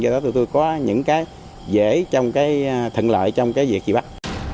do đó tụi tôi có những cái dễ trong cái thận lợi trong cái việc gì bắt